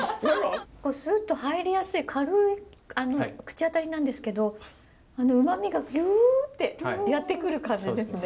スッと入りやすい軽い口当たりなんですけど旨みがギュッてやって来る感じですね。